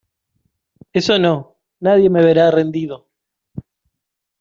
¡Eso no! nadie me verá rendido.